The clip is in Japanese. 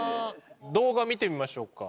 動画見てみましょうか。